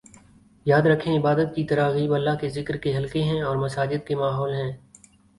یاد رکھیں عبادت کی تراغیب اللہ کے ذکر کے حلقے ہیں اور مساجد کے ماحول ہیں